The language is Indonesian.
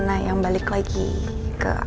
saya itu cuma mau hidup